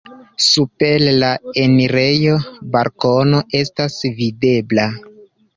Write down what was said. Super la enirejo balkono estas videbla.